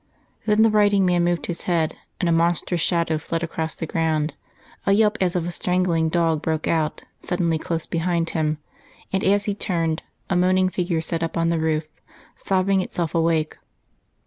Then the writing man moved his head, and a monstrous shadow fled across the ground; a yelp as of a strangling dog broke out suddenly close behind him, and, as he turned, a moaning figure sat up on the roof, sobbing itself awake.